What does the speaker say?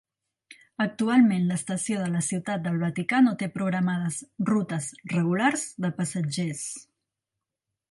Actualment, l'estació de la Ciutat del Vaticà no té programades rutes regulars de passatgers.